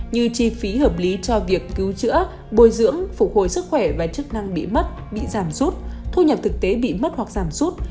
như chi phí hợp lý cho việc cứu chữa bồi dưỡng phục hồi sức khỏe và chức năng bị mất bị giảm rút thu nhập thực tế bị mất hoặc giảm sút